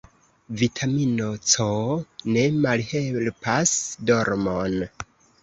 Vitamino C ne malhelpas dormon.